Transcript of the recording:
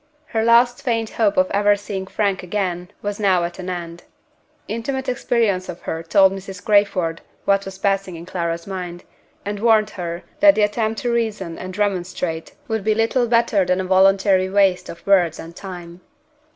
Her last faint hope of ever seeing Frank again was now at an end. Intimate experience of her told Mrs. Crayford what was passing in Clara's mind, and warned her that the attempt to reason and remonstrate would be little better than a voluntary waste of words and time.